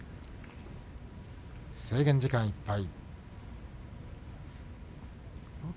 制限時間いっぱい。